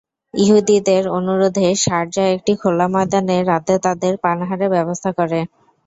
ইহুদীদের অনুরোধে শারযা একটি খোলা ময়দানে রাতে তাদের পানাহারের ব্যবস্থা করে।